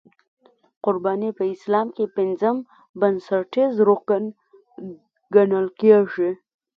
قرباني په اسلام کې پنځم بنسټیز رکن ګڼل کېږي.